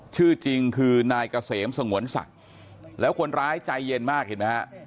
ชื่อจริงคือนายเกษมสงวนศักดิ์แล้วคนร้ายใจเย็นมากเห็นไหมฮะ